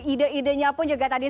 ide idenya pun juga tadi